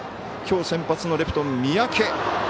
きょう先発のレフト三宅。